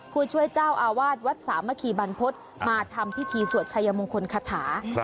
ผู้ช่วยเจ้าอาวาสวัดสามะคีบรรพฤษมาทำพิธีสวดชายมงคลคาถา